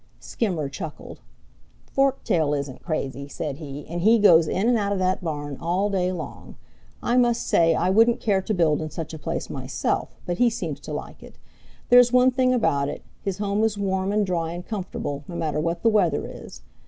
Skimmer chuckled. "Forktail isn't crazy," said he, "and he goes in and out of that barn all day long. I must say I wouldn't care to build in such a place myself, but he seems to like it. There's one thing about it, his home is warm and dry and comfortable, no matter what the weather is.